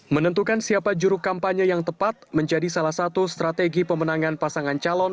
menentukan siapa juru kampanye yang tepat menjadi salah satu strategi pemenangan pasangan calon